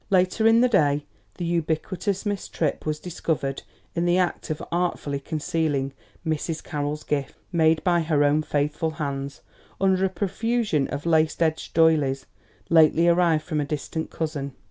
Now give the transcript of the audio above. Later in the day the ubiquitous Miss Tripp was discovered in the act of artfully concealing Mrs. Carroll's gift, made by her own faithful hands, under a profusion of lace edged doylies lately arrived from a distant cousin.